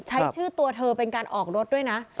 ใช้ชื่อตัวเธอเป็นการออกรถด้วยนะ